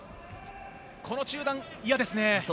この中段、嫌ですね。